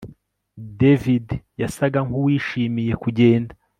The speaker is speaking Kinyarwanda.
David yasaga nkuwishimiye kugenda